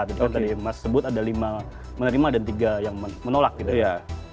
tadi mas sebut ada lima menerima dan tiga yang menolak gitu ya